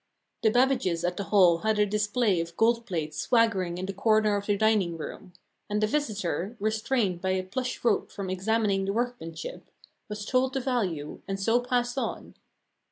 The Babbages at the Hall had a display of gold plate swaggering in the corner of the dining room; and the visitor (restrained by a plush rope from examining the workmanship) was told the value, and so passed on.